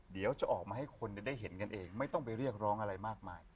เดี๋ยวจะออกมาให้คนได้เห็นกันเองไม่ต้องไปเรียกร้องอะไรมากมาย